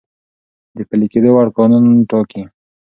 د پلی کیدو وړ قانون ټاکی ،